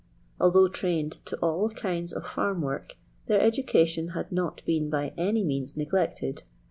Although trained to all kinds of farm work, their education had not been by any means neglected.